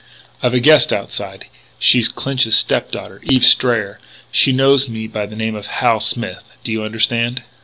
"I've a guest outside. She's Clinch's step daughter, Eve Strayer. She knows me by the name of Hal Smith. Do you understand?"